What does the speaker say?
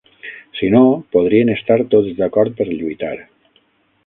Si no, podrien estar tots d'acord per lluitar.